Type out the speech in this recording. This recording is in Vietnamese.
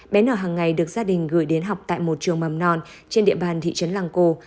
bé nờ hàng ngày được gia đình gửi đến học tại một trường mầm non trên địa bàn thị trấn lăng cô